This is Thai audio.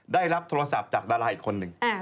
ได้รับโทรศัพท์จากดาราอีกคนนึง